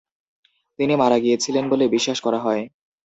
তিনি মারা গিয়েছিলেন বলে বিশ্বাস করা হয়।